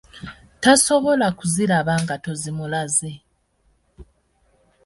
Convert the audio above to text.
Tasobola kuziraba nga tozimulaze.